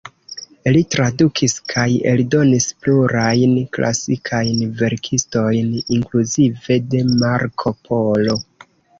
Li tradukis kaj eldonis plurajn klasikajn verkistojn, inkluzive de Marko Polo.